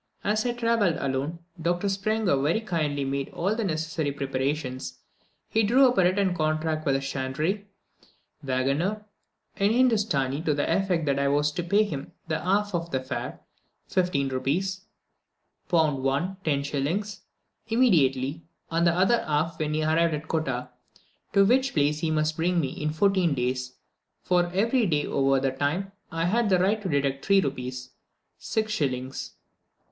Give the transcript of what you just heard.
As I travelled alone, Dr. Sprenger very kindly made all the necessary preparations; he drew up a written contract with the tschandrie (waggoner) in Hindostanee to the effect that I was to pay him the half of the fare, fifteen rupees (1 pounds 10s.), immediately, and the other half when we arrived at Kottah, to which place he was to bring me in fourteen days; for every day over that time I had the right to deduct three rupees (6s.)